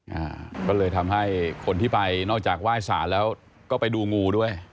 อ่าก็เลยทำให้คนที่ไปนอกจากไหว้สารแล้วก็ไปดูงูด้วย